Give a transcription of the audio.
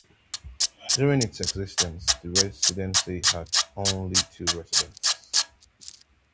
During its existence the Residency had only two Residents.